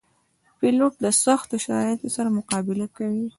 پیلوټ د سختو شرایطو سره مقابله کوي.